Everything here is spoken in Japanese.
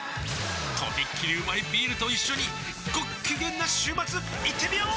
とびっきりうまいビールと一緒にごっきげんな週末いってみよー！